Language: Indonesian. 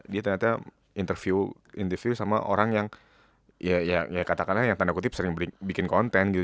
dia ternyata interview sama orang yang ya katakanlah yang tanda kutip sering bikin konten gitu